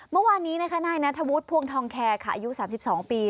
เมื่อวานนี้นะคะนายนัทวุฒิพวงทองแคร์ค่ะอายุ๓๒ปี